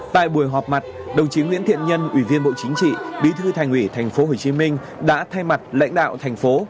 tại buổi họp mặt đồng chí nguyễn thiện nhân ủy viên bộ chính trị bí thư thành ủy tp hcm đã thay mặt lãnh đạo thành phố